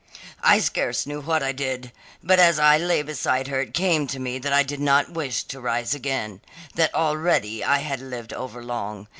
"I scarce knew what I did, but as I lay beside her it came to me that I did not wish to rise again that already I had lived overlong.